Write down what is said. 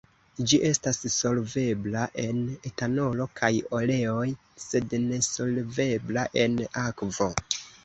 Ĝi estas solvebla en etanolo kaj oleoj, sed nesolvebla en akvo.